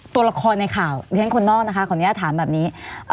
ตัวละครในข่าวดิฉันคนนอกนะคะขออนุญาตถามแบบนี้